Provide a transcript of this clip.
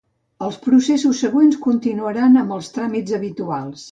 Els processos següents continuaran amb els tràmits habituals.